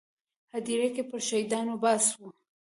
هدیرې کې پر شهیدانو بحث و.